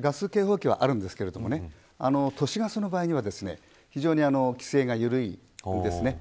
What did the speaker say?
ガス警報機はあるんですけど都市ガスの場合は非常に規制が緩いんですね。